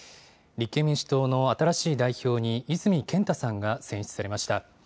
立憲民主党の新しい代表に、泉健太さんが選出されました。